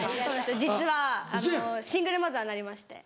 実はシングルマザーになりまして。